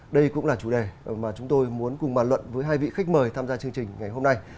đây cũng là chủ đề mà chúng tôi muốn cùng bàn luận với hai vị khách mời tham gia chương trình ngày hôm nay